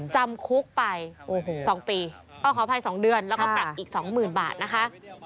จำคุกไป๒ปีขออภัย๒เดือนแล้วก็ปรับอีก๒๐๐๐บาทนะคะ